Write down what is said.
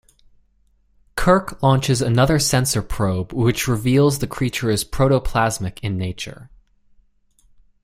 Kirk launches another sensor probe which reveals the creature is protoplasmic in nature.